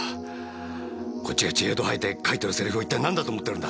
こっちが血反吐吐いて書いてるセリフを一体なんだと思っとるんだ。